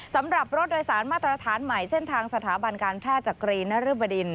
สำหรับรถโดยสารมาตรฐานใหม่เส้นทางสถาบันการแพทย์จักรีนรึบดิน